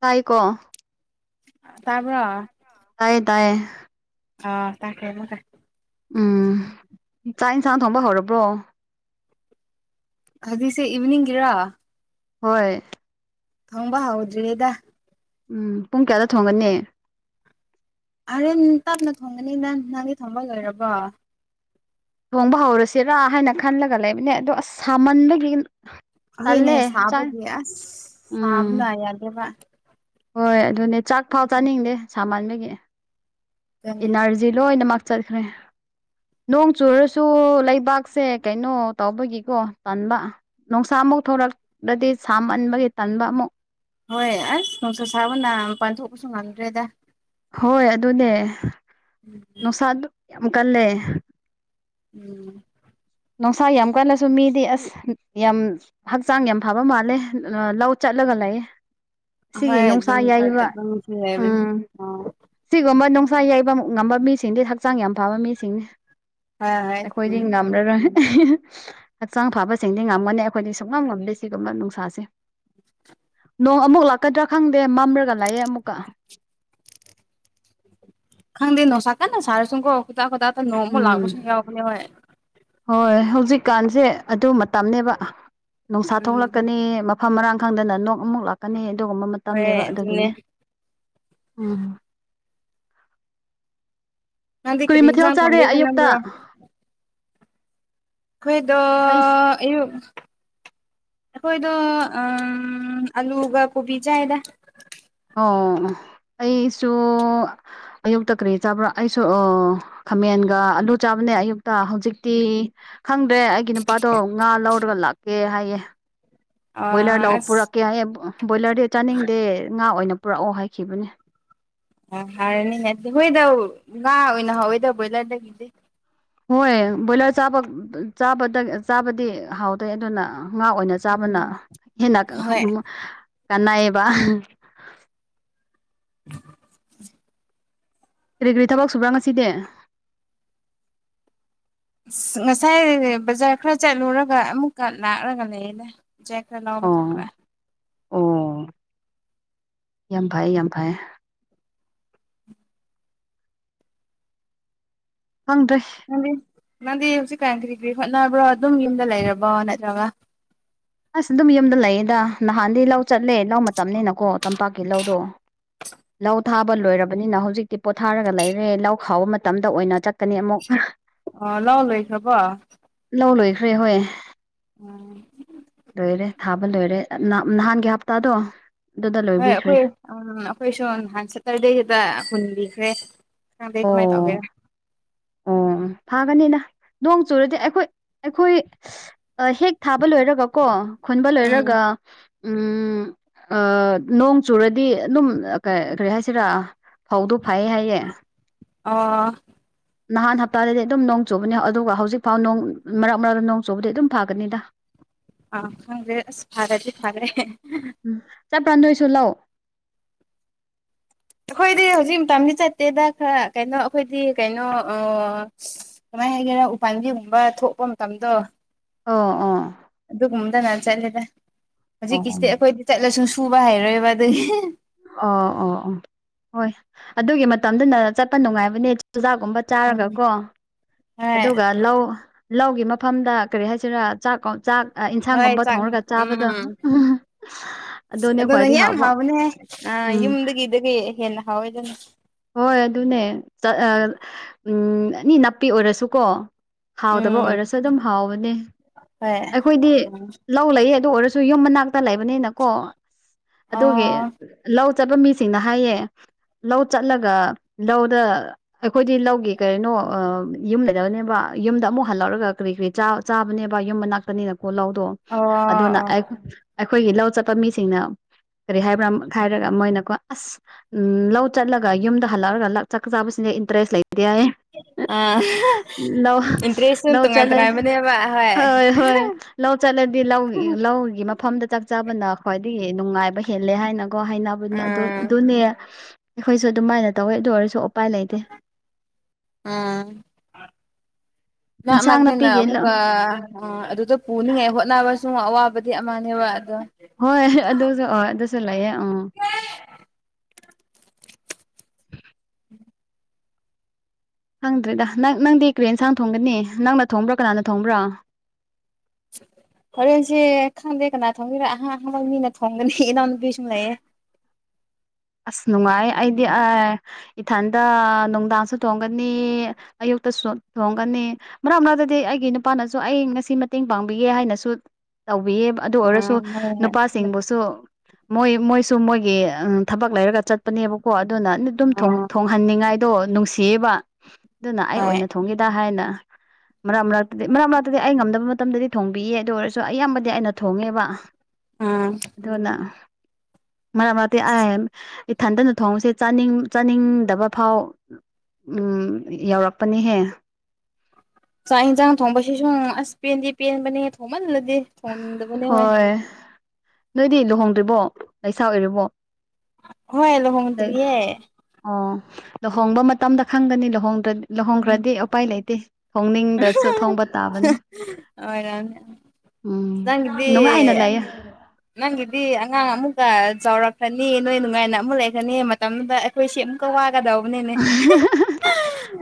ꯇꯥꯏꯀꯣ ꯇꯥꯕ꯭ꯔꯣ ꯇꯥꯏꯌꯦ ꯇꯥꯏꯌꯦ ꯑꯥ ꯇꯥꯈ꯭ꯔꯦ ꯑꯃꯨꯛꯀ ꯎꯝ ꯆꯥꯛ ꯏꯟꯁꯥꯡ ꯊꯣꯡꯕ ꯍꯧꯔꯕ꯭ꯔꯣ ꯍꯖꯤꯛꯁꯦ ꯏꯚꯅꯤꯡꯒꯤꯔꯥ ꯍꯣꯏ ꯊꯪꯡꯕ ꯍꯧꯗ꯭ꯔꯤꯗꯥ ꯎꯝ ꯄꯨꯡ ꯀꯌꯥꯗ ꯊꯣꯡꯒꯠꯅꯤ ꯍꯣꯔꯦꯟ ꯇꯞꯅ ꯊꯣꯡꯒꯅꯤꯗ ꯅꯪꯗꯤ ꯊꯣꯡꯕ ꯂꯣꯏꯔꯕꯣ ꯊꯣꯡꯕ ꯍꯧꯔꯁꯤꯔꯥ ꯍꯥꯏꯅ ꯈꯜꯂꯒ ꯂꯩꯕꯅꯦ ꯑꯗꯣ ꯑꯁ ꯁꯥꯃꯟꯕꯒꯤ ꯍꯣꯏꯅꯦ ꯇꯜꯂꯦ ꯆꯥꯛ ꯁꯥꯕꯒꯤ ꯑꯁ ꯎꯝ ꯁꯥꯕꯅ ꯌꯥꯗꯦꯕ ꯍꯣꯏ ꯑꯗꯨꯅꯦ ꯆꯥꯛ ꯐꯥꯎ ꯆꯥꯅꯤꯡꯗꯦ ꯁꯃꯟꯕꯒꯤ ꯑꯗꯨꯅꯦ ꯏꯅꯔꯖꯤ ꯂꯣꯏꯅꯃꯛ ꯆꯠꯈ꯭ꯔꯦ ꯅꯣꯡ ꯆꯨꯔꯁꯨ ꯂꯩꯕꯥꯛꯁꯦ ꯀꯩꯅꯣ ꯇꯧꯕꯒꯤꯀꯣ ꯇꯟꯕ ꯅꯣꯡꯁꯥꯃꯨꯛ ꯊꯣꯔꯛꯂꯗꯤ ꯁꯥꯃꯟꯕꯒꯤ ꯇꯟꯕ ꯑꯃꯨꯛ ꯍꯣꯏ ꯑꯁ ꯉꯣꯡꯁꯥ ꯁꯥꯕꯅ ꯃꯄꯥꯟ ꯊꯣꯛꯄꯁꯨ ꯉꯝꯗ꯭ꯔꯦꯗ ꯍꯣꯏ ꯑꯗꯨꯅꯦ [unintelligible] ꯅꯨꯡꯁꯥꯗꯨ ꯌꯥꯝ ꯀꯜꯂꯦ ꯎꯝ ꯅꯨꯡꯁꯥ ꯌꯥꯝ ꯀꯜꯂꯁꯨ ꯃꯤꯗꯤ ꯑꯁ ꯌꯥꯝ ꯍꯛꯆꯥꯡ ꯌꯥꯝ ꯐꯕ ꯃꯥꯜꯂꯦ ꯂꯧ ꯆꯠꯂꯒ ꯂꯩꯌꯦ ꯁꯤꯒꯤ ꯍꯣꯏ ꯅꯣꯡꯁꯥ ꯑꯗꯨꯝ ꯌꯩꯕ ꯂꯩꯕꯅꯤ ꯎꯝ ꯑꯣ ꯁꯤꯒꯨꯝꯕ ꯅꯨꯡꯁꯥ ꯌꯩꯕ ꯉꯝꯕ ꯃꯤꯁꯤꯡꯗꯤ ꯍꯛꯆꯥꯡ ꯌꯥꯝ ꯐꯕ ꯃꯤꯁꯤꯡꯅꯤ ꯍꯣꯏ ꯍꯣꯏ ꯑꯩꯈꯣꯏꯗꯤ ꯎꯝ ꯉꯝꯔꯔꯣꯏ ꯍꯛꯆꯥꯡ ꯐꯕꯁꯤꯡꯗꯤ ꯉꯝꯒꯅꯦꯞ ꯈꯣꯏꯗꯤ ꯁꯨꯛꯉꯝ ꯉꯝꯗꯦ ꯁꯤꯒꯨꯝꯕ ꯅꯨꯡꯁꯥꯁꯦ [inaudible] ꯅꯣꯡ ꯑꯃꯨꯛ ꯂꯥꯛꯀꯗ꯭ꯔꯥ ꯈꯪꯗꯦ ꯃꯝꯔꯒ ꯂꯩꯌꯦ ꯑꯃꯨꯛꯀ ꯈꯪꯗꯦ ꯅꯣꯡꯁꯥ ꯀꯟꯅ ꯁꯥꯔꯁꯨꯡ ꯀꯣ ꯍꯨꯗꯥꯛ ꯈꯨꯗꯥꯛꯇ ꯅꯣꯡꯃꯨꯛ ꯂꯥꯛꯄꯁꯨ ꯎꯝ ꯌꯥꯎꯕꯅꯦ ꯍꯣꯏ ꯍꯣꯏ ꯍꯧꯖꯤꯛꯀꯥꯟꯁꯦ ꯑꯗꯨ ꯃꯇꯝꯅꯦꯕ ꯅꯨꯡꯁꯥ ꯎꯝ ꯊꯣꯛꯂꯛꯀꯅꯤ ꯃ ꯐꯝ ꯃꯔꯥꯡ ꯈꯪꯗꯅ ꯅꯣꯛ ꯑꯃꯨꯛ ꯂꯥꯛꯀꯅꯤ ꯑꯗꯨꯒꯨꯝꯕ ꯍꯣꯏ ꯃꯇꯝꯅꯦꯕ ꯑꯗꯨꯅꯦ ꯑꯗꯨꯒꯤꯅꯦ ꯎꯝ ꯅꯪꯗꯤ ꯀꯔꯤ ꯃꯊꯦꯜ ꯏꯟꯁꯥꯡ ꯆꯥꯔꯦ ꯊꯣꯡꯒꯦ ꯑꯌꯨꯛꯇ ꯈꯜꯂꯝꯕ꯭ꯔꯣ ꯈꯨꯏꯗꯣ ꯑꯩ ꯑꯌꯨꯛ ꯑꯈꯣꯏꯗꯣ ꯑꯝ ꯑꯂꯨꯒ ꯀꯣꯕꯤ ꯆꯥꯏꯗ ꯑꯣ ꯑꯩꯁꯨ ꯑꯌꯨꯛꯇ ꯀ꯭ꯔꯤ ꯆꯥꯕ꯭ꯔꯥ ꯑꯩꯁꯨ ꯑꯣ ꯈꯥꯃꯦꯟꯒ ꯑꯂꯨ ꯆꯥꯕꯅꯦ ꯑꯌꯨꯛꯇ ꯍꯧꯖꯤꯛꯇꯤ ꯈꯪꯗ꯭ꯔꯦ ꯑꯩ ꯒꯤ ꯅꯨꯄꯥꯗꯣ ꯉꯥ ꯂꯧꯔꯒ ꯂꯥꯛꯀꯦ ꯍꯥꯏꯌꯦ ꯕꯣꯏꯂꯔ ꯑꯥ ꯂꯧ ꯑꯁ ꯄꯨꯔꯛꯀꯦ ꯍꯥꯏꯌꯦ ꯕꯣꯏꯂꯔꯗꯤ ꯆꯥꯅꯤꯡꯗꯦ ꯉꯥ ꯑꯣꯏꯅ ꯄꯨꯔꯛꯑꯣ ꯍꯥꯏꯈꯤꯕꯅꯦ ꯌꯥꯝ ꯍꯥꯎꯔꯅꯤꯅꯦ ꯑꯗꯨꯗꯤ ꯍꯣꯏꯗꯧ ꯉꯥ ꯑꯣꯏꯅ ꯍꯥꯎꯋꯦꯗ ꯕꯣꯏꯂꯔꯗꯒꯤꯗꯤ ꯍꯣꯏ ꯕꯣꯏꯂꯔ ꯆꯥꯕ ꯆꯥꯕꯥꯗ ꯆꯥꯕꯗꯤ ꯍꯥꯎꯇꯦ ꯑꯗꯨꯅ ꯉꯥ ꯑꯣꯏꯅ ꯆꯥꯕꯅ ꯎꯝ ꯍꯦꯟꯅ ꯍꯣꯏ ꯎꯝ ꯀꯥꯟꯅꯩꯕ [inaudible] ꯀ꯭ꯔꯤ ꯀ꯭ꯔꯤ ꯊꯕꯛ ꯁꯨꯕ꯭ꯔꯥ ꯉꯁꯤꯗꯤ ꯑꯁ ꯉꯁꯥꯏ ꯕꯖꯥꯔ ꯈꯔ ꯆꯠꯂꯨꯔꯒ ꯑꯃꯨꯛꯀ ꯂꯥꯛꯔꯒ ꯂꯩꯌꯦꯗ [unintelligible] ꯑꯥ ꯑꯣ ꯌꯥꯝ ꯐꯩ ꯌꯥꯝ ꯐꯩꯌꯦ ꯈꯪꯗꯦ ꯅꯪꯗꯤ ꯅꯪꯗꯤ ꯍꯧꯖꯤꯛꯀꯥꯟ ꯀꯔꯤ ꯀ꯭ꯔꯤ ꯍꯣꯠꯅꯕ꯭ꯔꯣ ꯑꯗꯨꯝ ꯌꯨꯝꯗ ꯂꯩꯔꯕꯣ ꯅꯠꯇ꯭ꯔꯒ ꯑꯁ ꯗꯨꯝ ꯌꯨꯝꯗ ꯂꯩꯌꯦꯗ ꯅꯍꯥꯟꯗꯤ ꯂꯧ ꯆꯠꯂꯦ ꯂꯧ ꯃꯇꯝꯅꯤꯅꯀꯣ ꯇꯝꯄꯥꯛꯀꯤ ꯂꯧꯗꯣ ꯂꯧ ꯊꯥꯕ ꯂꯣꯏꯔꯕꯅꯤꯅ ꯍꯧꯖꯤꯛꯇꯤ ꯄꯣꯊꯥꯔꯒ ꯂꯩꯔꯦ ꯂꯧ ꯈꯥꯎꯕ ꯃꯇꯝꯗ ꯑꯣꯏꯅ ꯆꯠꯀꯅꯤ ꯑꯃꯨꯛ ꯑꯥ ꯂꯧ ꯂꯣꯏꯈ꯭ꯔꯕꯣ ꯂꯧ ꯂꯣꯏꯈ꯭ꯔꯦ ꯍꯣꯏ ꯑꯣ ꯂꯣꯏꯔꯦ ꯊꯥꯕ ꯂꯣꯏꯔꯦ ꯑꯥꯅꯥꯞ ꯅꯍꯥꯟꯒꯤ ꯍꯞꯇꯥꯗꯣ ꯑꯗꯨꯗ ꯍꯣꯏ ꯂꯣꯏꯕꯤꯈ꯭ꯔꯦ ꯑꯩꯈꯣꯏ ꯎꯝ ꯑꯩꯈꯣꯏꯁꯨ ꯅꯍꯥꯟ ꯁꯇꯔꯗꯦꯒꯤꯗ ꯍꯨꯟꯕꯤꯈ꯭ꯔꯦ ꯈꯪꯗꯦ ꯀꯃꯥꯏ ꯇꯧꯒꯦꯔ ꯑꯣꯝ ꯐꯥꯒꯅꯤꯗ ꯅꯣꯡ ꯆꯨꯔꯗꯤ ꯑꯩꯈꯣꯏ ꯑꯩꯈꯣꯏ ꯑꯥ ꯍꯦꯛ ꯊꯥꯕ ꯂꯣꯏꯔꯒꯀꯣ ꯈꯨꯟꯕ ꯎꯝ ꯂꯣꯏꯔꯒ ꯎꯝ ꯑꯥ ꯅꯣꯡ ꯆꯨꯔꯗꯤ ꯑꯗꯨꯝ ꯑꯥ ꯀꯩ ꯀꯔꯤ ꯍꯥꯏꯁꯤꯔꯥ ꯐꯧꯗꯣ ꯐꯩꯌꯦ ꯍꯥꯏꯌꯦ ꯑꯣ ꯅꯍꯥꯟ ꯍꯞꯇꯥꯗꯗꯤ ꯑꯗꯨꯝ ꯅꯣꯡ ꯆꯨꯕꯅꯦ ꯑꯗꯨꯒ ꯍꯧꯖꯤꯛꯐꯥꯎ ꯅꯣꯡ ꯃꯔꯛ ꯃꯔꯛ ꯅꯣꯡ ꯆꯨꯕꯗꯤ ꯑꯗꯨꯝ ꯐꯥꯒꯅꯤꯗ ꯑꯥ ꯈꯪꯗ꯭ꯔꯦ ꯑꯁ ꯐꯔꯗꯤ ꯐꯔꯦ ꯎꯝ ꯆꯠꯄ꯭ꯔꯥ ꯅꯣꯏꯁꯨ ꯂꯧ ꯑꯈꯣꯏꯗꯤ ꯍꯧꯖꯤꯛ ꯃꯇꯝꯗꯤ ꯆꯠꯇꯦꯗ ꯈꯔ ꯀꯩꯅꯣ ꯑꯩꯈꯣꯏꯗꯤ ꯀꯩꯅꯣ ꯑꯥ ꯀꯃꯥꯏ ꯍꯥꯏꯒꯦꯔ ꯎꯄꯥꯥꯟꯕꯤꯒꯨꯝꯕ ꯊꯣꯛꯄ ꯃꯇꯝꯗꯣ ꯑꯣ ꯑꯣꯥ ꯑꯗꯨꯒꯨꯝꯕꯗꯅ ꯆꯠꯂꯦꯗ ꯑꯣ ꯍꯧꯖꯤꯛꯀꯤꯁꯤꯗꯤ ꯑꯩꯈꯣꯏꯗꯤ ꯆꯠꯂꯁꯨ ꯁꯨꯕ ꯍꯩꯔꯣꯏꯕ ꯑꯗꯨꯒꯤ ꯑꯣ ꯑꯣ ꯑꯣ ꯍꯣꯏ ꯑꯗꯨꯒꯤ ꯃꯇꯝꯗꯨꯅ ꯆꯠꯄ ꯅꯨꯡꯉꯥꯏꯕꯅꯦ ꯆꯨꯖꯥꯛꯀꯨꯝꯕ ꯆꯥꯔꯒ ꯎꯝ ꯀꯣ ꯍꯣꯏ ꯑꯗꯨꯒ ꯂꯧ ꯂꯧꯒꯤ ꯃꯐꯝꯗ ꯀꯔꯤ ꯍꯥꯏꯁꯤꯔꯥ ꯆꯥꯛꯀꯣꯟ ꯆꯥꯛ ꯑꯥ ꯍꯣꯏ ꯏꯟꯁꯥꯡꯒꯨꯝꯕ ꯆꯥꯛ ꯊꯣꯡꯔꯒ ꯆꯥꯕꯗꯣ ꯎꯝ ꯑꯗꯨꯅꯦ ꯑꯗꯨꯅ ꯈ꯭ꯋꯥꯏꯗꯩ ꯌꯥꯝ ꯍꯥꯎꯕ ꯍꯥꯎꯕꯅꯦ ꯑꯥ ꯎꯝ ꯌꯨꯝꯗꯒꯤꯗꯒꯤ ꯍꯦꯟꯅ ꯍꯥꯎꯋꯦꯗꯨꯅ ꯍꯣꯏ ꯑꯗꯨꯅꯦ ꯆꯠ ꯑꯥ ꯎꯝ ꯑꯅꯤ ꯅꯥꯄꯤ ꯑꯣꯏꯔꯁꯨꯀꯣ ꯍꯥꯎꯇꯕ ꯎꯝ ꯑꯣꯏꯔꯁꯨ ꯑꯗꯨꯝ ꯍꯥꯎꯕꯅꯦ ꯍꯣꯏ ꯑꯩꯈꯣꯏꯒꯤ ꯂꯧ ꯂꯩꯌꯦ ꯑꯗꯨ ꯑꯣꯏꯔꯁꯨ ꯌꯨꯝ ꯃꯅꯥꯛꯇ ꯂꯩꯕꯅꯦꯅꯀꯣ ꯑꯗꯨꯒꯤ ꯑꯣ ꯂꯧ ꯆꯠꯄ ꯃꯤꯁꯤꯡꯅ ꯍꯥꯏꯌꯦ ꯂꯧ ꯆꯠꯂꯒ ꯂꯧꯗ ꯑꯩꯈꯣꯏꯗꯤ ꯂꯧꯒꯤ ꯀꯔꯤꯅꯣ ꯑꯝ ꯌꯨꯝꯗꯒꯅꯦꯕꯥ ꯌꯨꯝꯗ ꯑꯃꯨꯛ ꯍꯜꯂꯛꯑꯒ ꯀꯔꯤ ꯀꯔꯤ ꯆꯥ ꯆꯥꯕꯅꯦꯕ ꯌꯨꯝ ꯃꯅꯥꯛꯇꯅꯤꯅꯀꯣ ꯂꯧꯗꯣ ꯑꯣ ꯑꯗꯨꯅ ꯑꯣ ꯑꯦꯛ ꯑꯩꯈꯣꯏꯒꯤ ꯂꯧ ꯆꯠꯄ ꯃꯤꯁꯤꯡꯅ ꯀꯔꯤ ꯍꯥꯏꯕ꯭ꯔꯥ ꯍꯥꯏꯔꯒ ꯃꯣꯏꯅꯀꯣ ꯑꯁ ꯎꯝ ꯂꯧ ꯆꯠꯂꯒ ꯌꯨꯝꯗ ꯍꯜꯂꯛꯔꯒ ꯂꯛ ꯆꯥꯛ ꯆꯥꯕꯁꯤꯅ ꯏꯟꯇꯔꯦꯁ ꯂꯩꯇꯦ ꯍꯥꯏꯌꯦ ꯑꯥ ꯂꯧ ꯏꯟꯇꯔꯦꯁꯁꯨ ꯂꯧ ꯇꯣꯉꯥꯟ ꯆꯠꯂ ꯇꯣꯉꯥꯟꯕꯅꯦꯕ ꯍꯣꯏ ꯍꯣꯏ ꯂꯧ ꯆꯠꯂꯗꯤ ꯂꯧꯒꯤ ꯂꯧꯒꯤ ꯃꯐꯝꯗ ꯆꯛ ꯆꯥꯕꯅ ꯈ꯭ꯋꯥꯏꯗꯒꯤ ꯅꯨꯡꯉꯥꯏꯕ ꯍꯦꯜꯂꯦ ꯍꯥꯏꯅꯀꯣ ꯍꯥꯏꯅꯕꯅꯤ ꯑꯗꯣ ꯑꯥ ꯑꯗꯨꯅꯦ ꯑꯩꯈꯣꯏꯁꯨ ꯑꯗꯨꯃꯥꯏꯅ ꯇꯧꯋꯦ ꯑꯗꯨ ꯑꯣꯏꯔꯁꯨ ꯑꯣꯄꯥꯏ ꯂꯩꯇꯦ ꯑꯥ ꯃꯛ ꯏꯟꯁꯥꯡ ꯃꯔꯛꯇꯅ ꯅꯥꯄꯤꯒꯤ ꯑꯃꯨꯛꯀ ꯑꯥ ꯑꯗꯨꯗ ꯄꯨꯅꯤꯡꯉꯥꯏ ꯍꯣꯠꯅꯕꯁꯨ ꯑꯋꯥꯕꯗꯤ ꯑꯃꯥꯅꯦꯕ ꯑꯗꯣ ꯍꯣꯏ ꯑꯗꯨꯁꯨ ꯑꯣ ꯑꯗꯨꯁꯨ ꯂꯩꯌꯦ ꯑꯣ [inaudible] ꯈꯪꯗ꯭ꯔꯦꯗ ꯅꯪ ꯅꯪꯗꯤ ꯀꯔꯤ ꯏꯟꯁꯥꯡ ꯊꯣꯡꯒꯅꯤ ꯅꯪꯅ ꯊꯣꯡꯕ꯭ꯔꯥ ꯀꯅꯥꯅ ꯊꯣꯡꯕ꯭ꯔꯥ ꯍꯣꯔꯦꯟꯁꯦ ꯈꯪꯗꯦ ꯀꯅꯥ ꯊꯣꯡꯕꯤꯔ ꯑꯍꯥꯡ ꯑꯍꯥꯡꯕ ꯃꯤꯅ ꯊꯣꯡꯒꯅꯤ ꯏꯅꯥꯎꯅꯨꯄꯤ ꯁꯨꯡ ꯂꯩꯌꯦ ꯑꯁ ꯅꯨꯡꯉꯥꯏ ꯑꯩꯗꯤ ꯑꯥ ꯏꯊꯟꯗ ꯅꯨꯡꯗꯥꯡꯁꯨ ꯊꯣꯡꯒꯅꯤ ꯑꯌꯨꯛꯇꯁꯨ ꯊꯣꯡꯒꯅꯤ ꯃꯔꯛ ꯃꯔꯛꯇꯗꯤ ꯑꯩꯒꯤ ꯅꯨꯄꯥꯅꯁꯨ ꯑꯩ ꯉꯁꯤ ꯃꯇꯦꯡ ꯄꯥꯡꯕꯤꯒꯦ ꯍꯥꯏꯅꯁꯨ ꯇꯧꯕꯤꯌꯦꯕ ꯑꯗꯨ ꯑꯣꯏꯔꯁꯨ ꯎꯝ ꯍꯣꯏ ꯅꯨꯄꯥꯁꯤꯡꯕꯨꯁꯨ ꯃꯣꯏ ꯃꯣꯏꯁꯨ ꯃꯣꯏꯒꯤ ꯑꯥ ꯊꯕꯛ ꯂꯩꯔꯒ ꯆꯠ ꯄꯅꯦꯕꯀꯣ ꯑꯗꯨꯅꯅꯨ ꯗꯨꯝ ꯍꯣꯏ ꯊꯣꯡ ꯑꯣ ꯊꯣꯡꯍꯟꯅꯤꯡꯉꯥꯏꯗꯣ ꯅꯨꯡꯁꯤꯌꯦꯕ ꯑꯗꯨꯅ ꯑꯩ ꯍꯣꯏ ꯑꯣꯏꯅ ꯊꯣꯡꯒꯦꯗ ꯍꯥꯏꯅ ꯃꯔꯛ ꯃꯔꯛꯇꯗꯤ ꯃꯔꯛ ꯃꯔꯛꯇꯗꯤ ꯑꯩ ꯉꯝꯗꯕ ꯃꯇꯝꯗꯗꯤ ꯊꯣꯡꯕꯤꯌꯦ ꯑꯗꯨ ꯑꯣꯏꯔꯁꯨ ꯑꯌꯥꯝꯕꯗꯤ ꯑꯩꯅ ꯊꯣꯡꯉꯦꯕ ꯎꯝ ꯑꯗꯨꯅ ꯃꯔꯛ ꯃꯔꯛꯗꯤ ꯑꯥꯏꯝ ꯏꯊꯟꯗꯅ ꯊꯣꯡꯕꯁꯦ ꯆꯥꯅꯤꯡ ꯆꯥꯅꯤꯡꯗꯕ ꯐꯥꯎ ꯎꯝ ꯌꯧꯔꯛꯄꯅꯦꯍꯦ ꯆꯥꯛ ꯏꯟꯖꯥꯡ ꯊꯣꯡꯕꯁꯤꯁꯨ ꯑꯁ ꯄꯦꯟꯗꯤ ꯄꯦꯟꯕꯅꯦꯍꯦ ꯊꯣꯡꯃꯟꯂꯗꯤ ꯍꯣꯏ ꯅꯣꯏꯗꯤ ꯂꯨꯍꯣꯡꯗ꯭ꯔꯤꯕꯣ ꯂꯩꯁꯥ ꯑꯣꯏꯔꯤꯕꯣ ꯍꯣꯏ ꯂꯣꯍꯣꯡꯗ꯭ꯔꯤꯌꯦ ꯑꯣ ꯂꯨꯍꯣꯡꯕ ꯃꯇꯝꯗ ꯈꯪꯒꯅꯤ ꯂꯨꯍꯣꯡꯗ꯭ꯔꯗ ꯎꯝ ꯂꯨꯍꯣꯡꯈ꯭ꯔꯗꯤ ꯎꯄꯥꯏ ꯂꯩꯇꯦ ꯊꯣꯡꯅꯤꯡꯗ꯭ꯔꯁꯨ ꯊꯣꯡꯕ ꯇꯥꯕꯅꯤ ꯑꯣꯏꯔꯝꯅꯤ ꯎꯝ ꯅꯪꯒꯤꯗꯤ ꯅꯨꯉꯥꯏꯅ ꯂꯩꯥ ꯅꯪꯒꯤꯗꯤ ꯑꯉꯥꯡ ꯑꯃꯨꯛꯀ ꯆꯥꯎꯔꯛꯈ꯭ꯔꯅꯤ ꯅꯣꯏ ꯅꯨꯡꯉꯥꯏꯅ ꯑꯃꯨꯛ ꯂꯩꯈꯔꯅꯤ ꯃꯇꯝꯗꯨꯗ ꯑꯈꯣꯏꯁꯦ ꯑꯃꯨꯛꯀ ꯋꯥꯒꯗꯧꯕꯅꯤꯅꯦ [unintelligible]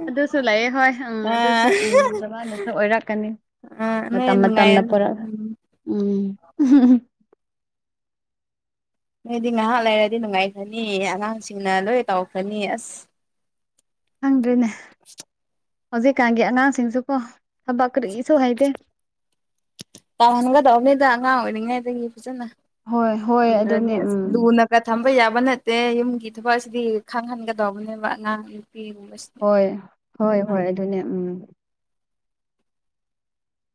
ꯑꯗꯨꯁꯨ ꯂꯩꯌꯦ ꯍꯣꯏ ꯎꯝ ꯑꯥ ꯑꯗꯨꯁꯨ ꯎꯝ ꯖꯕꯥꯅꯁꯨ ꯑꯣꯏꯔꯛꯀꯅꯤ ꯑꯥ ꯅꯣꯏ ꯃꯇꯝ ꯅꯨꯡꯉꯥꯏ ꯃꯇꯝꯅ ꯄꯨꯔ ꯎꯝ ꯎꯝ ꯅꯣꯏꯗꯤ ꯉꯥꯍꯥꯛ ꯂꯩꯔꯗꯤ ꯅꯨꯡꯉꯥꯏꯈ꯭ꯔꯅꯤ ꯑꯉꯥꯡꯁꯤꯡꯅ ꯂꯣꯏ ꯇꯧꯈ꯭ꯔꯅꯤ ꯑꯁ ꯈꯪꯗ꯭ꯔꯦꯅꯦ ꯍꯧꯖꯤꯛꯀꯥꯟꯒꯤ ꯑꯉꯥꯡꯁꯤꯡꯁꯨꯀꯣ ꯊꯕꯛ ꯀꯔꯤꯁꯨ ꯍꯩꯇꯦ ꯇꯧꯍꯟꯒꯗꯧꯝꯅꯤꯗ ꯑꯉꯥꯡ ꯑꯣꯏꯔꯤꯉꯥꯏꯗꯒꯤ ꯐꯖꯟꯅ ꯍꯣꯏ ꯍꯣꯏ ꯇꯝꯗ꯭ꯔꯗꯤ ꯑꯗꯨꯅꯦ ꯑꯁ ꯎꯝ ꯂꯨꯅ ꯒꯥ ꯊꯝꯕ ꯌꯥꯕ ꯅꯠꯇꯦ ꯌꯨꯝꯒꯤ ꯊꯕꯛꯁꯤꯗꯤ ꯈꯪꯍꯟꯒꯗꯧꯕꯅꯦꯕ ꯑꯉꯥꯡ ꯅꯨꯄꯤꯒꯨꯝꯕꯁꯤ ꯍꯣꯏ ꯍꯣꯏ ꯍꯣꯏ ꯑꯗꯨꯅꯦ ꯎꯝ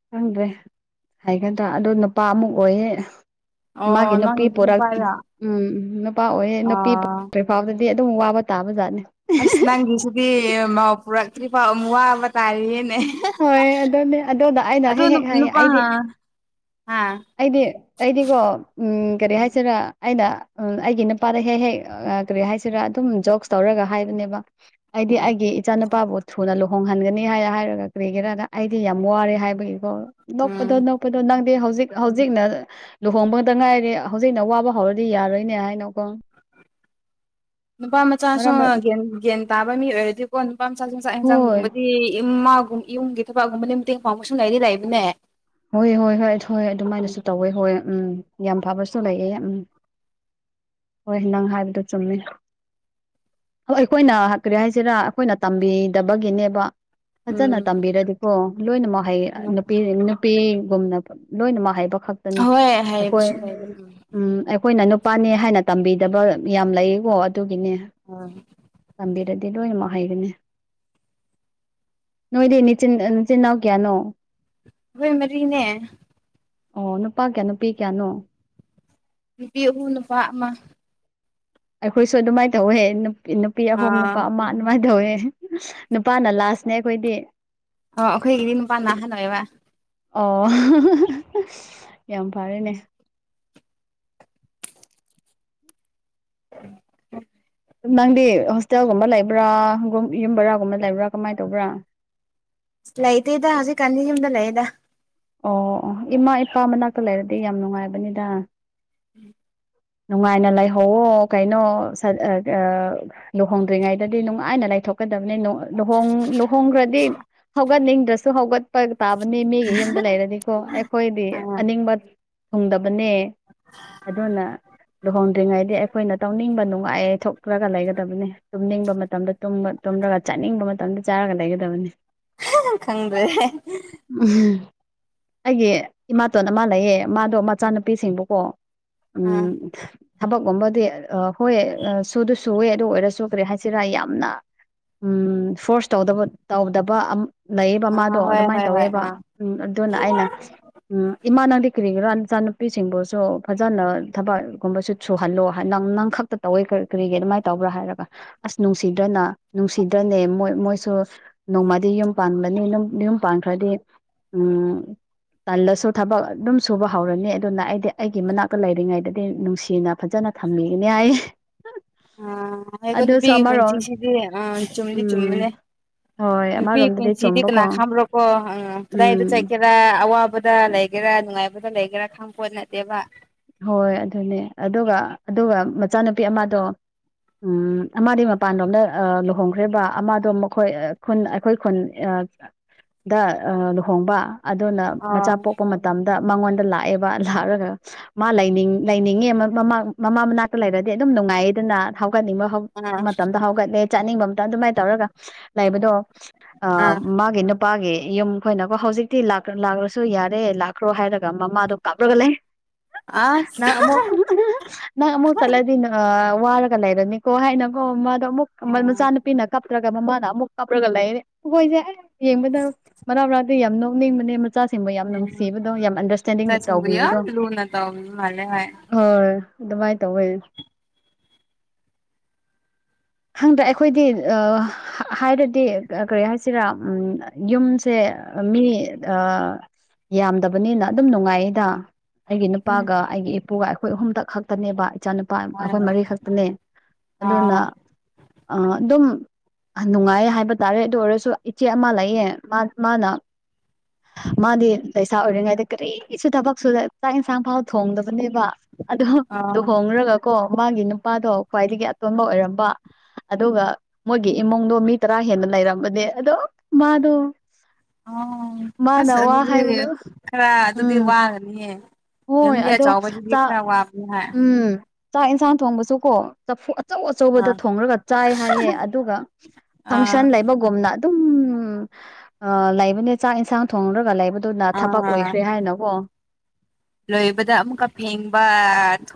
ꯈꯪꯗ꯭ꯔꯦ ꯍꯩꯒꯗ꯭ꯔꯥ ꯑꯗꯣ ꯅꯨꯄꯥ ꯑꯃꯨꯛ ꯑꯣꯏꯌꯦ ꯃꯥꯒꯤ ꯑꯣ ꯅꯨꯄꯤ ꯅꯪꯒꯤꯗꯤ ꯄꯨꯔꯛ ꯅꯨꯄꯥꯔꯥ ꯎꯝ ꯅꯨꯄꯥ ꯑꯣꯏꯌꯦ ꯅꯨꯄꯤ ꯑꯥ [unintelligible] ꯐꯥꯎꯕꯗꯤ ꯑꯗꯨꯝ ꯋꯥꯕ ꯇꯥꯕꯖꯥꯠꯅꯤ ꯑꯁ ꯅꯪꯒꯤꯁꯤꯗꯤ ꯃꯧ ꯄꯨꯔꯛꯇ꯭ꯔꯤꯐꯥꯎ ꯑꯝꯋꯥꯕ ꯇꯥꯔꯤꯌꯦꯅꯦ ꯍꯣꯏ ꯑꯗꯨꯅꯦ ꯑꯗꯨꯗ ꯑꯩꯅ ꯑꯗꯨ ꯍꯦꯛ ꯍꯦꯛ ꯍꯥꯏꯌꯦ ꯅꯨꯄꯥ ꯑꯩꯗꯤ ꯍꯥ ꯑꯩꯗꯤ ꯑꯩꯗꯤꯀꯣ ꯎꯝ ꯀꯔꯤ ꯍꯥꯏꯁꯤꯔꯥ ꯑꯩꯅ ꯑꯩꯒꯤ ꯅꯨꯄꯥꯗ ꯍꯦꯛ ꯍꯦꯛ ꯀꯔꯤ ꯍꯥꯏꯁꯤꯔꯥ ꯑꯗꯨꯝ ꯖꯣꯛꯁ ꯇꯧꯔꯒ ꯍꯥꯏꯕꯅꯦꯕ ꯑꯩꯗꯤ ꯎꯝ ꯑꯩꯒꯤ ꯏꯆꯥ ꯅꯨꯨꯄꯥꯕꯨ ꯊꯨꯅ ꯂꯨꯍꯣꯡꯍꯟꯒꯅꯤ ꯍꯥꯏ ꯍꯥꯏꯔꯒ ꯀꯔꯤꯒꯔꯥꯅ ꯑꯩꯗꯤ ꯌꯥꯝ ꯋꯥꯔꯦ ꯍꯥꯏꯕꯒꯤꯀꯣ ꯎꯝ ꯅꯣꯛꯄꯗꯣ ꯅꯣꯛꯄꯗꯣ ꯅꯪꯗꯤ ꯍꯧꯖꯤꯛ ꯍꯧꯖꯤꯛꯅ ꯂꯨꯍꯣꯡꯕꯗ ꯉꯥꯏꯔꯤ ꯍꯧꯖꯤꯛꯅ ꯋꯥꯕ ꯍꯧꯔꯗꯤ ꯌꯥꯔꯣꯏꯅꯦ ꯍꯥꯏꯅꯀꯣ ꯅꯨꯄꯥ ꯃꯆꯥꯁꯨ ꯃꯔꯛ ꯃꯔꯛ ꯒ꯭ꯟ ꯒꯌ꯭ꯥꯟ ꯇꯥꯕ ꯃꯤ ꯑꯣꯏꯔꯗꯤ ꯀꯣ ꯅꯨꯄꯥ ꯃꯆꯥꯥꯁꯨ ꯆꯥꯛ ꯍꯣꯏ ꯍꯦꯟꯖꯥꯡꯒꯨꯝꯕꯗꯤ ꯏꯃꯥꯒꯨꯝ ꯏꯌꯨꯝꯒꯤ ꯊꯕꯛꯒꯨꯝꯕꯗꯤ ꯃꯇꯦꯡ ꯄꯥꯡꯕꯁꯨ ꯂꯩꯗꯤ ꯂꯩꯕꯅꯦ ꯍꯣꯏ ꯍꯣꯏ ꯍꯣꯏ ꯍꯣꯏ ꯑꯗꯨꯃꯥꯏꯅꯁꯨ ꯇꯧꯋꯦ ꯍꯣꯏ ꯎꯝ ꯌꯥꯝ ꯐꯕꯁꯨ ꯂꯩꯑꯦ ꯎꯝ ꯍꯣꯏ ꯅꯪ ꯍꯥꯏꯕꯗꯣ ꯆꯨꯝꯃꯦ ꯍꯣ ꯑꯩꯈꯣꯏꯅ ꯍ ꯀꯔꯤ ꯍꯥꯏꯁꯤꯔꯥ ꯑꯩꯈꯣꯏꯅ ꯇꯝꯕꯤꯗꯕꯒꯤꯅꯦꯕ ꯐꯖꯅ ꯎꯝ ꯇꯝꯕꯤꯔꯗꯤꯀꯣ ꯂꯣꯏꯅꯃꯛ ꯍꯩ ꯑ ꯅꯨꯄꯤ [unintelligible] ꯅꯨꯄꯤꯒꯨꯝꯅ ꯄ ꯂꯣꯏꯅ ꯃꯛ ꯍꯩꯕ ꯈꯛꯇꯅꯤ ꯍꯣꯏ ꯑꯩꯈꯣꯏ ꯍꯥꯏꯕꯁꯨ ꯂꯩꯕꯅꯦ ꯎꯝ ꯑꯩꯈꯣꯏꯅ ꯅꯨꯞ ꯄꯥꯅꯦ ꯍꯥꯏꯅ ꯇꯝꯕꯤꯗꯕ ꯌꯥꯝ ꯂꯩꯌꯦꯀꯣ ꯑꯗꯨꯒꯤꯅꯦ ꯍꯣꯏ ꯇꯝꯕꯤꯔꯗꯤ ꯂꯣꯏꯅꯃꯛ ꯍꯩꯒꯅꯤ ꯅꯣꯏꯗꯤ ꯅꯤꯆꯤꯟ ꯑ ꯅꯆꯤꯟꯅꯥꯎ ꯀꯌꯥꯅꯣ ꯑꯈꯣꯏ ꯃꯔꯤꯅꯦ ꯑꯣ ꯅꯨꯄꯥ ꯀꯌꯥ ꯅꯨꯄꯤ ꯀꯌꯥꯅꯣ ꯅꯨꯄꯤ ꯑꯍꯨꯝ ꯅꯨꯄꯥ ꯑꯃ ꯑꯩꯈꯣꯏꯁꯨ ꯑꯗꯨꯃꯥꯏ ꯇꯧꯋꯦ ꯅꯨꯄꯤ ꯅꯨꯄꯤ ꯑꯍꯨꯝ ꯑꯥ ꯅꯨꯄꯥ ꯑꯃ ꯑꯗꯨꯃꯥꯏ ꯇꯧꯋꯦ [unintelligible] ꯅꯨꯄꯥꯅ ꯂꯥꯁꯅꯦ ꯑꯩꯈꯣꯏꯗꯤ ꯑꯣ ꯑꯈꯣꯏꯒꯤꯗꯤ ꯅꯨꯄꯥꯅꯥ ꯑꯍꯟ ꯑꯣꯏꯕ ꯑꯣ [unintelligible] ꯌꯥꯝ ꯐꯔꯦꯅꯦ [unintelligible] ꯅꯪꯗꯤ ꯍꯣꯁꯇꯦꯜꯒꯨꯝꯕ ꯂꯩꯕ꯭ꯔꯥ ꯒꯨꯝ ꯌꯨꯝꯚꯔꯥꯒꯨꯝꯕ ꯂꯩꯕ꯭ꯔꯥ ꯀꯃꯥꯏ ꯇꯧꯕ꯭ꯔꯥ ꯂꯩꯇꯦꯗ ꯍꯧꯖꯤꯛꯀꯥꯟꯗꯤ ꯌꯨꯝꯗ ꯂꯩꯩꯌꯦꯗ ꯑꯣ ꯑꯣ ꯏꯃꯥ ꯏꯄꯥ ꯃꯅꯥꯛꯇ ꯂꯩꯔꯗꯤ ꯌꯥꯝ ꯅꯨꯡꯉꯥꯏꯕꯅꯤꯗ [unintelligible] ꯅꯨꯡꯉꯥꯏꯅ ꯂꯩꯍꯧꯋꯣ ꯀꯩꯅꯣ ꯁꯠ ꯑ ꯗ ꯑ ꯂꯨꯍꯣꯡꯗ꯭ꯔꯤꯉꯩꯗꯗꯤ ꯅꯨꯡꯉꯥꯏꯅ ꯂꯩꯊꯣꯛꯀꯗꯕꯅꯤ ꯅꯨ ꯑ ꯂꯨꯍꯣꯡ ꯂꯨꯍꯣꯡꯈ꯭ꯔꯗꯤ ꯍꯧꯒꯠꯅꯤꯡꯗ꯭ꯔꯁꯨ ꯍꯧꯒꯠꯄ ꯇꯥꯕꯅꯤ ꯃꯤꯒꯤ ꯌꯨꯝ ꯍꯥꯏꯗꯤꯀꯣ ꯑꯩꯈꯣꯏꯗꯤ ꯑꯥ ꯑꯅꯤꯡꯕ ꯊꯨꯡꯗꯕꯅꯦ ꯑꯗꯨꯅ ꯂꯨꯍꯣꯡꯗ꯭ꯔꯤꯉꯩꯗꯤ ꯑꯩꯈꯣꯏꯅ ꯇꯧꯅꯤꯡꯕ ꯅꯨꯡꯉꯥꯏ ꯂꯩꯊꯣꯛꯔꯒ ꯂꯩꯒꯗꯕꯅꯤ ꯇꯨꯝꯅꯤꯡꯕ ꯃꯇꯝꯗ ꯇꯨꯝꯃ ꯇꯨꯝꯔꯒ ꯆꯥꯅꯤꯡꯕ ꯃꯇꯝꯗ ꯆꯥꯔꯒ ꯂꯩꯒꯗꯕꯅꯤ [unintelligible] ꯈꯪꯗ꯭ꯔꯦꯍꯦ [unintelligible] ꯑꯩꯒꯤ ꯏꯃꯥꯇꯣꯟ ꯑꯃꯥ ꯂꯩꯌꯦ ꯃꯥꯗꯣ ꯃꯆꯥꯅꯨꯄꯤꯁꯤꯡꯕꯨꯀꯣ ꯑꯥ ꯎꯝ ꯊꯕꯛꯀꯨꯝꯕꯗꯤ ꯑ ꯍꯣꯏ ꯑ ꯁꯨꯗ ꯁꯨꯋꯦ ꯑꯗꯨ ꯑꯣꯏꯔꯁꯨ ꯀꯔꯤ ꯍꯥꯏꯁꯤꯔꯥ ꯌꯥꯝꯅ ꯎꯝ ꯐꯣꯔꯁ ꯇꯧꯗꯕ ꯇꯧꯗꯕ ꯑꯞ ꯂꯩꯌꯦꯕ ꯑꯥ ꯃꯥꯗꯣ ꯍꯣꯏ ꯑꯗꯨꯃꯥꯏ ꯍꯣꯏ ꯍꯣꯏ ꯇꯧꯋꯦꯕ ꯑꯥ ꯎꯝ ꯑꯗꯨꯅ ꯑꯩꯅ ꯎꯝ ꯏꯃꯥ ꯅꯪꯗꯤ ꯀꯔꯤꯒꯤꯔꯥ ꯏꯆꯥꯅꯨꯄꯤꯁꯤꯡꯕꯨꯁꯨ ꯐꯖꯅ ꯊꯕꯛꯀꯨꯝꯕꯁꯨ ꯁꯨꯍꯜꯂꯣ ꯍꯥ ꯅꯪ ꯅꯪ ꯈꯛꯇ ꯇꯧꯋꯦ ꯀ ꯀꯔꯤꯒꯤ ꯑꯗꯨꯃꯥꯏ ꯇꯧꯕ꯭ꯔꯥ ꯍꯥꯏꯔꯒ ꯑꯁ ꯅꯨꯡꯁꯤꯗ꯭ꯔꯅ ꯅꯨꯡꯁꯤꯗ꯭ꯔꯅꯦ ꯃꯣꯏ ꯃꯣꯏꯁꯨ ꯅꯣꯡꯃꯗꯤ ꯌꯨꯝ ꯄꯥꯟꯕꯅꯤ ꯅꯪ ꯌꯨꯝ ꯄꯥꯟꯈ꯭ꯔꯗꯤ ꯎꯝ ꯇꯜꯂꯁꯨ ꯊꯕꯛ ꯑꯗꯨꯝ ꯁꯨꯕ ꯍꯧꯔꯅꯤ ꯑꯗꯨꯅ ꯑꯩꯗꯤ ꯑꯩꯒꯤ ꯃꯅꯥꯛꯇ ꯂꯩꯔꯤꯉꯩꯗꯗꯤ ꯅꯨꯡꯁꯤꯅ ꯐꯖꯅ ꯊꯝꯕꯤꯒꯅꯦ ꯍꯥꯏꯌꯦ ꯎꯝ ꯑꯩꯗꯣ ꯅꯨꯄꯤꯒꯤ ꯑꯃꯔꯣꯝ ꯄꯨꯟꯁꯤꯁꯤꯗꯤ ꯎꯝ ꯆꯨꯝꯗꯤ ꯎꯝ ꯆꯨꯝꯕꯅꯦ ꯍꯣꯏ ꯅꯨꯄꯤ ꯑꯃꯔꯣꯝꯗꯗꯤ ꯄꯨꯟꯁꯤꯗꯤ ꯀꯅꯥ ꯆꯨꯝꯕꯀꯣ ꯈꯥꯡꯕꯔꯣ ꯀꯣ ꯑꯪ ꯀꯗꯥꯏꯗ ꯎꯝ ꯆꯠꯀꯦꯔꯥ ꯑꯋꯥꯕꯗ ꯂꯩꯒꯦꯔꯥ ꯅꯨꯡꯉꯥꯏ ꯕꯗ ꯂꯩꯒꯦꯔꯥ ꯈꯪꯄꯣꯠ ꯅꯠꯇꯦꯕ ꯍꯣꯏ ꯑꯗꯨꯅꯦ ꯑꯗꯨꯒ ꯑꯗꯨꯒ ꯃꯆꯥꯅꯨꯄꯤ ꯑꯃꯗꯣ ꯎꯝ ꯑꯃꯗꯤ ꯃꯄꯥꯟꯔꯣꯝꯗ ꯑ ꯂꯨꯍꯣꯡꯈ꯭ꯔꯦꯕ ꯑꯃꯗꯣ ꯃꯈꯣꯏ ꯑ ꯈꯨꯟ ꯑꯈꯣꯏ ꯈꯨꯟ ꯑ ꯗ ꯑ ꯂꯨꯍꯣꯡꯕ ꯑꯗꯨꯅ ꯃꯆꯥ ꯑꯥ ꯄꯣꯛꯄ ꯃꯇꯝꯗ ꯃꯉꯣꯟꯗ ꯂꯥꯛꯑꯦꯕ ꯂꯥꯛꯔꯒ ꯃꯥ ꯂꯩꯅꯤꯡ ꯂꯩꯅꯤꯡꯉꯦ ꯃꯃꯥ ꯃꯃꯥ ꯃꯅꯥꯛꯇ ꯂꯩꯔꯗꯤ ꯑꯗꯨꯝ ꯅꯨꯡꯉꯥꯏꯌꯦꯗꯅ ꯍꯧꯒꯠꯅꯤꯡꯕ ꯍꯧ ꯃꯇꯝꯗ ꯍꯧꯒꯠꯂꯦ ꯆꯥꯅꯤꯡꯕ ꯑꯝꯇ ꯑꯗꯨꯃꯥꯏꯅ ꯇꯧꯔꯒ ꯂꯩꯕꯗꯣ ꯑ ꯃꯥꯒꯤ ꯅꯨꯞ ꯄꯥꯒꯤ ꯌꯨꯝ ꯈꯣꯏꯅꯀꯣ ꯍꯧꯖꯤꯛꯇꯤ ꯂꯥꯛꯀ꯭ꯔ ꯂꯥꯛꯔꯁꯨ ꯌꯥꯔꯦ ꯂꯥꯛꯈ꯭ꯔꯣ ꯍꯥꯏꯔꯒ ꯃꯃꯥꯗꯣ ꯀꯥꯞꯔꯒ ꯂꯩ꯫ ꯑꯥ ꯅꯪ ꯑꯁ ꯑꯃꯨꯛ [unintelligible] ꯅꯪ ꯑꯃꯨꯛ ꯆꯠꯂꯗꯤ ꯅ ꯑ ꯋꯥꯔꯒ ꯂꯩꯔꯅꯤꯀꯣ ꯍꯥꯏꯅꯀꯣ ꯃꯥꯗꯣ ꯑꯃꯨꯛ ꯃꯆꯥꯅꯨꯞ ꯄꯤꯅ ꯀꯞꯇ꯭ꯔꯒ ꯃꯃꯥꯅ ꯑꯃꯨꯛ ꯀꯥꯞꯔꯒ ꯂꯩꯔꯦ ꯍꯈꯣꯏꯁꯦ ꯑꯦ ꯌꯦꯡꯕꯗ ꯃꯔꯛ ꯃꯔꯛꯗꯤ ꯌꯥꯝ ꯅꯣꯛꯅꯤꯡꯕꯅꯦ ꯃꯆꯥꯁꯤꯡꯕꯨ ꯌꯥꯝ ꯎꯝ ꯅꯨꯡꯁꯤꯕꯗꯣ ꯌꯥꯝ ꯑꯟꯗꯔꯁ꯭ꯇꯦꯟꯗꯤꯡ ꯏꯆꯥꯁꯤꯡꯕꯨ ꯌꯥꯝ ꯇꯧꯕꯤꯕꯗꯣ꯫ ꯂꯨꯅ ꯇꯧꯕ ꯃꯥꯜꯂꯦ ꯍꯥꯏ꯫ ꯍꯣꯏ ꯑꯗꯨꯃꯥꯏꯅ ꯇꯧꯋꯦ꯫ ꯈꯪꯗꯦ ꯑꯩꯈꯣꯏꯗꯤ ꯑ ꯑ ꯍꯥꯏꯔꯗꯤ ꯀꯔꯤ ꯍꯥꯏꯁꯤꯔꯥ ꯎꯝ ꯌꯨꯝꯁꯦ ꯑ ꯃꯤ ꯑ ꯌꯥꯝꯗꯕꯅꯤꯅ ꯑꯗꯨꯝ ꯅꯨꯡꯉꯥꯏꯌꯦꯗ ꯑꯩꯒꯤ ꯎꯝ ꯅꯨꯄꯥꯒ ꯑꯩꯒꯤ ꯏꯄꯨꯒ ꯑꯩꯈꯣꯏ ꯑꯍꯨꯝꯗꯛ ꯈꯛꯇꯅꯦꯕ꯫ ꯏꯆꯥꯅꯨꯄꯥ ꯑꯩꯈꯣꯏ ꯍꯣꯏ ꯃꯔꯤ ꯈꯛꯇꯅꯦ ꯑꯗꯨꯅ ꯑꯥ ꯑꯗꯨꯝ ꯑꯍ ꯅꯨꯡꯉꯥꯏ ꯍꯥꯏꯕ ꯇꯥꯔꯦ ꯑꯗꯨ ꯑꯣꯏꯔꯁꯨ ꯏꯆꯦ ꯑꯃ ꯂꯩꯌꯦ ꯃꯥ ꯃꯥꯅ [inaudible] ꯃꯥꯗꯤ ꯂꯩꯁꯥ ꯑꯣꯏꯔꯤꯉꯩꯗ ꯀꯔꯤꯁꯨ ꯊꯕꯛ ꯁꯨꯗ ꯆꯥꯛ ꯏꯟꯁꯥꯡ ꯐꯥꯎ ꯊꯣꯡꯗꯕꯅꯦꯕ꯫ ꯑꯗꯣ ꯑꯥ ꯂꯨꯍꯣꯡꯉ꯭ꯔꯒꯀꯣ ꯃꯥꯒꯤ ꯅꯨꯄꯥꯗꯣ ꯈ꯭ꯋꯥꯏꯗꯒꯤ ꯑꯇꯣꯟꯕ ꯑꯣꯏꯔꯝꯕ꯫ ꯑꯗꯨꯒ ꯃꯣꯏꯒꯤ ꯏꯃꯨꯡꯗꯣ ꯃꯤ ꯇꯔꯥ ꯍꯦꯟꯅ ꯂꯩꯔꯝꯕꯅꯦ ꯑꯗꯣ ꯃꯥꯗꯣ ꯑꯣ ꯃꯥꯅ ꯑꯁ ꯋꯥ ꯑꯗꯨꯗꯤ ꯍꯥꯏꯕꯗꯣ ꯈꯔ ꯑꯗꯨꯗꯤ ꯎꯝ ꯋꯥꯒꯅꯤꯌꯦ꯫ ꯍꯣꯏ ꯐꯦꯃꯤꯂꯤ ꯑꯗꯣ ꯑꯆꯧꯕꯁꯤꯗꯤ ꯆꯥ ꯈꯔ ꯋꯥꯕꯅꯤ ꯍꯣꯏ ꯎꯝ ꯆꯥꯛ ꯌꯦꯟꯁꯥꯡ ꯊꯣꯡꯕꯁꯨ ꯀꯣ ꯆꯐꯨ ꯑꯆꯧ ꯑꯆꯧꯕꯗ ꯑꯥ ꯊꯣꯡꯔꯒ ꯆꯥꯏ ꯍꯥꯏꯌꯦ ꯑꯗꯨꯒ ꯐꯪꯁꯟ ꯑꯥ ꯂꯩꯕꯒꯨꯝꯅ ꯑꯗꯨꯝ ꯂꯩꯕꯅꯦ ꯆꯥꯛ ꯌꯦꯟꯁꯥꯡ ꯊꯣꯡꯔꯒ ꯂꯩꯕ ꯗꯨꯅ ꯊꯕꯛ ꯑꯥ ꯑꯣꯏꯈ꯭ꯔꯦ ꯍꯥꯏꯅꯀꯣ꯫ ꯂꯣꯏꯕꯗ ꯑꯃꯨꯛꯀ ꯐꯦꯡꯕꯥ꯫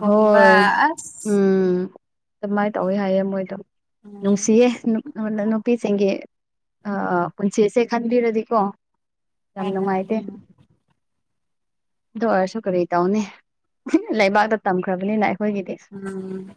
ꯍꯣꯏ ꯎꯝ꯫ ꯑꯗꯨꯃꯥꯏ ꯇꯧꯋꯦ ꯍꯥꯏꯌꯦ ꯃꯣꯏꯗꯣ ꯎꯝ ꯅꯨꯡꯁꯤꯌꯦ ꯅꯨꯞ ꯑꯅ ꯅꯨꯄꯤꯁꯤꯡꯒꯤ ꯑ ꯄꯨꯟꯁꯤꯁꯦ ꯈꯟꯕꯤꯔꯗꯤꯀꯣ꯫ ꯌꯥꯝ ꯍꯥꯏꯅ ꯅꯨꯡꯉꯥꯏꯇꯦ꯫ ꯑꯗꯨꯅꯤ ꯑꯗꯨ ꯑꯣꯏꯔꯁꯨ ꯀꯔꯤ ꯇꯧꯅꯤ ꯂꯩꯕꯥꯛꯇ ꯇꯝꯈ꯭ꯔꯕꯅꯤꯅ ꯑꯩꯈꯣꯏꯒꯤꯗꯤ꯫ ꯎꯝ꯫